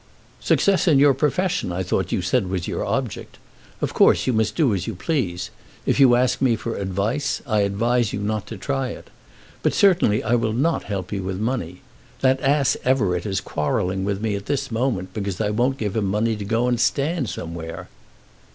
"Success in your profession I thought you said was your object. Of course you must do as you please. If you ask me for advice, I advise you not to try it. But certainly I will not help you with money. That ass Everett is quarrelling with me at this moment because I won't give him money to go and stand somewhere."